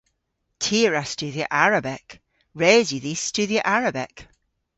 Ty a wra studhya Arabek. Res yw dhis studhya Arabek.